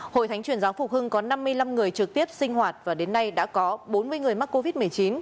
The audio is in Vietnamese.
hội thánh chuyển giáo phục hưng có năm mươi năm người trực tiếp sinh hoạt và đến nay đã có bốn mươi người mắc covid một mươi chín